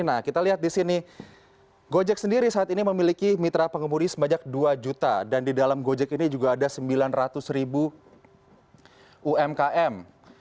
nah kita lihat di sini gojek sendiri saat ini memiliki mitra pengemudi sebajak dua juta dan di dalam gojek ini juga ada sembilan ratus ribu umkm